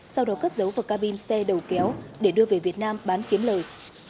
sau đó cất dấu vào cabin xe đầu kéo để đưa về việt nam bán kiếm lời